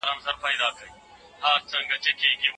موږ باید د مور په ژوندوني د هغې پوره درناوی او خدمت وکړو